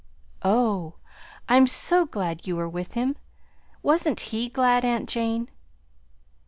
"Oh! I'm so glad you were with him! Wasn't he glad, aunt Jane?"